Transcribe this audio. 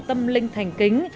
tâm linh thành kính